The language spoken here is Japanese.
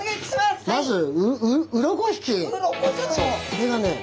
まずこれがね